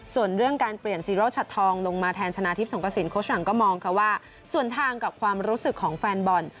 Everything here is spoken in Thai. ส่วนเรื่องการเปลี่ยนซีโร่ชัดทองลงมาแทนชนะทิพย์สงกระสินโค้ชหลังก็มองค่ะว่าส่วนทางกับความรู้สึกของแฟนบอล